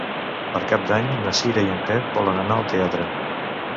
Per Cap d'Any na Cira i en Pep volen anar al teatre.